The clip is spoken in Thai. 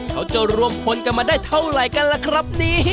เขาจะรวมคนกันมาได้เท่าไหร่กันล่ะครับนี้